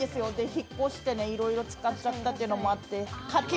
引っ越していろいろ使っちゃったというのもあって。